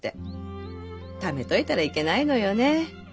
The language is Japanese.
ためといたらいけないのよね。